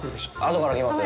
後からきます。